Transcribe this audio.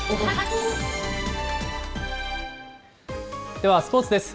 ではスポーツです。